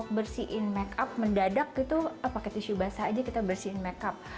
kita bisa bersihin make up mendadak itu pakai tisu basah aja kita bersihin make up